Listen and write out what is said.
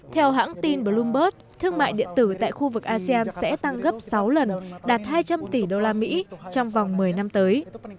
theo hãng tin bloomberg thương mại điện tử tại khu vực asean sẽ tăng gấp sáu lần đạt hai trăm linh tỷ usd trong vòng một mươi năm tới